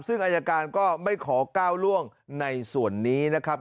ซึ่งอายการก็ไม่ขอก้าวล่วงในส่วนนี้นะครับ